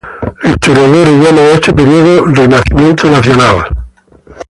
Los historiadores llaman a este periodo como "Renacimiento nacional".